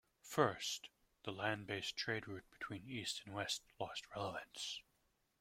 First, the land based trade route between east and west lost relevance.